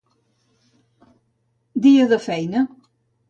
Dia de feina.